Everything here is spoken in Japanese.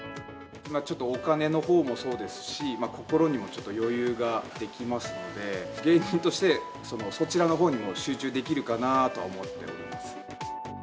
ちょっとお金のほうもそうですし、心にもちょっと余裕ができますので、芸人としてそちらのほうにも集中できるかなとは思っております。